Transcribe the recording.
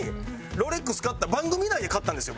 ロレックス買った番組内で買ったんですよ